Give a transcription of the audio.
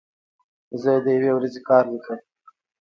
زه د یوې ورځې کار لیکم.